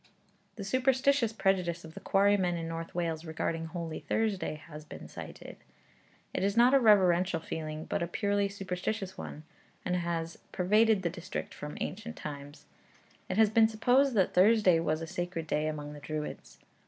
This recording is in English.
The superstitious prejudice of the quarrymen in North Wales regarding Holy Thursday has been cited. It is not a reverential feeling, but a purely superstitious one, and has pervaded the district from ancient times. It has been supposed that Thursday was a sacred day among the Druids.